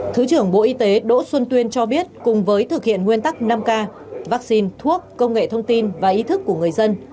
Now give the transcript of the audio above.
thứ trưởng bộ y tế đỗ xuân tuyên cho biết cùng với thực hiện nguyên tắc năm k vaccine thuốc công nghệ thông tin và ý thức của người dân